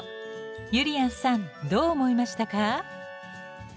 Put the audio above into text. ゆりやんさんどう思いましたか？